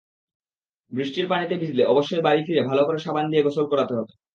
বৃষ্টির পানিতে ভিজলে অবশ্যই বাড়ি ফিরে ভালো করে সাবান দিয়ে গোসল করাতে হবে।